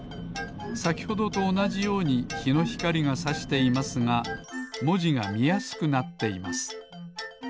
さきほどとおなじようにひのひかりがさしていますがもじがみやすくなっています